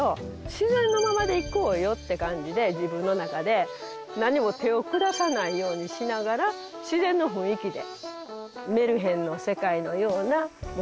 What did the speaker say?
自然のままでいこうよって感じで自分の中でなんにも手を下さないようにしながら自然の雰囲気で。